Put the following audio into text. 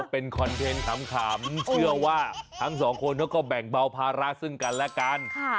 เป็นคอนเทนต์ขำเชื่อว่าทั้งสองคนเขาก็แบ่งเบาภาระซึ่งกันและกัน